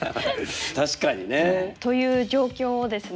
確かにね。という状況をですね